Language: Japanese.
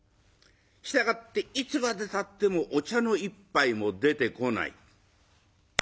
従っていつまでたってもお茶の一杯も出てこない。